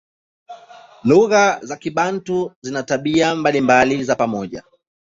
Lugha za Kibantu zina tabia mbalimbali za pamoja.